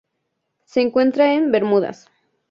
Se encuentra en Bermudas.